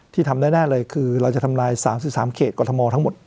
ทำแน่เลยคือเราจะทำลาย๓๓เขตกรทมทั้งหมด